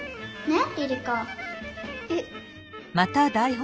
えっ？